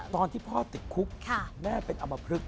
ตอนที่พ่อติดคุกแม่เป็นอมพลึก